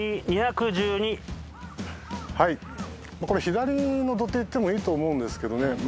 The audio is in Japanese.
これ左の土手行ってもいいと思うんですけどね